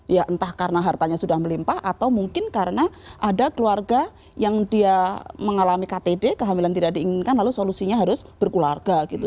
ya entah karena hartanya sudah melimpah atau mungkin karena ada keluarga yang dia mengalami ktd kehamilan tidak diinginkan lalu solusinya harus berkeluarga gitu